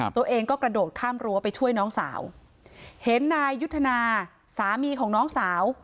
ตัวเองก็กระโดดข้ามรั้วไปช่วยน้องสาวเห็นนายยุทธนาสามีของน้องสาว